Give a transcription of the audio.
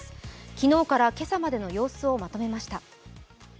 昨日から今朝までの様子をまとめました。